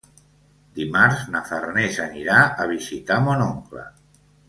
Dimarts na Farners anirà a visitar mon oncle.